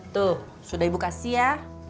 tuh sudah ibu kasih ya